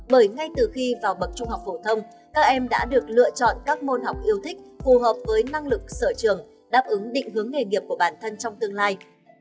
bởi ngay từ khi vào bậc trung học phổ thông các em đã được lựa chọn các môn học yêu thích phù hợp với năng lực sở trường đáp ứng định hướng nghề nghiệp của bản thân trong tương lai